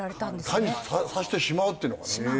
感じさせてしまうっていうのかな。